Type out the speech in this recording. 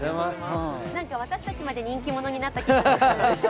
私たちまで人気者になった気分です。